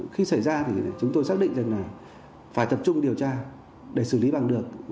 khi xảy ra thì chúng tôi xác định rằng là phải tập trung điều tra để xử lý bằng được